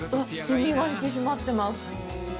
身が引き締まっています。